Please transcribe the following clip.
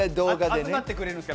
集まってくれるんですか？